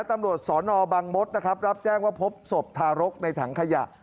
ตำรวจสนบังมดนะครับรับแจ้งว่าพบศพทารกในถังขยะ